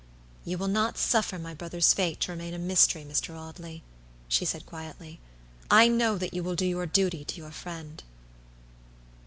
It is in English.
"You will not suffer my brother's fate to remain a mystery, Mr. Audley," she said, quietly. "I know that you will do your duty to your friend."